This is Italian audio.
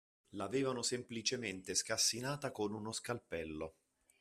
L'avevano semplicemente scassinata con uno scalpello.